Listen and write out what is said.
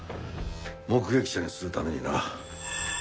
目撃者にするためにな。